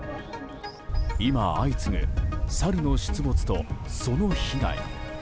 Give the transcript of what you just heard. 今、相次ぐサルの出没とその被害。